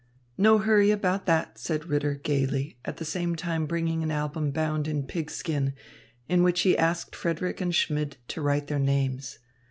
"No hurry about that," said Ritter gaily, at the same time bringing an album bound in pigskin, in which he asked Frederick and Schmidt to write their names.